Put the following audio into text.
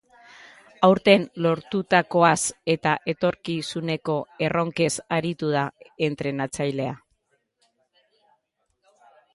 Aurten lortutakoaz eta etorkizuneko erronkez aritu da entrenatzailea.